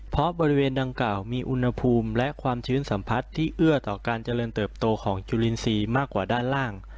เพราะบริเวณดังกล่าวมีอุณหภูมิและความชื้นสัมผัสที่เอื้อต่อการเจริญเติบโตของจุลินทรีย์มากกว่าด้านล่าง